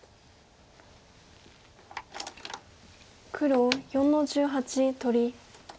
黒４の十八取り。